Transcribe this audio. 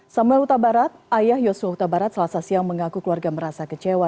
samuel huta barat ayah yosua huta barat selasa siang mengaku keluarga merasa kecewa